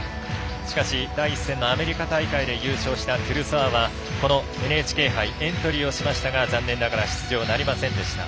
しかし、第１戦のアメリカ大会で優勝した優勝したトゥルソワはＮＨＫ杯エントリーをしましたが残念ながら出場なりませんでした。